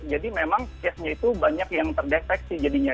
jadi memang tesnya itu banyak yang terdeteksi jadinya